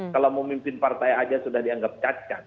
kalau memimpin partai aja sudah dianggap cacat